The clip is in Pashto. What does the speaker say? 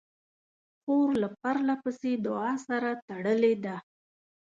خور له پرله پسې دعا سره تړلې ده.